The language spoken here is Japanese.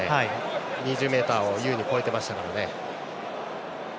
２０ｍを優に超えてましたからね。